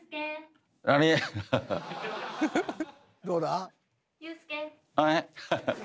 どうだ？